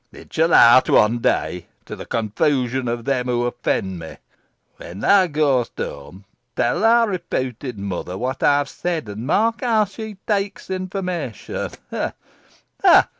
It shall out, one day, to the confusion of those who offend me. When thou goest home tell thy reputed mother what I have said, and mark how she takes the information. Ha!